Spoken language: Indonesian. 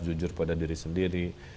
jujur pada diri sendiri